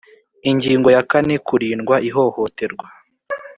Ingingo ya kane Kurindwa ihohoterwa